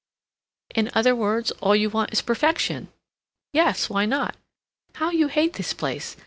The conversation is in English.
"In other words, all you want is perfection?" "Yes! Why not?" "How you hate this place!